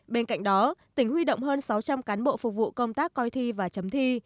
bên cạnh đó tỉnh huy động hơn sáu trăm linh cán bộ phục vụ công tác coi thi và chấm thi